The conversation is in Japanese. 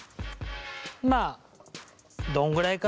まあどんぐらいかな？